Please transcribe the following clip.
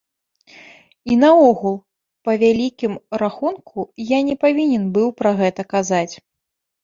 І наогул, па вялікім рахунку, я не павінен быў пра гэта казаць.